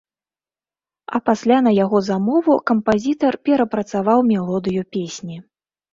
А пасля на яго замову кампазітар перапрацаваў мелодыю песні.